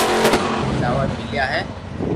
چاور ميليا ھي